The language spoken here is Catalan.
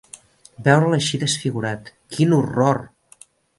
Veure'l així desfigurat: quin horror!